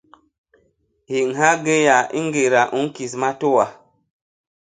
Héñha géya i ñgéda u ñkis matôa.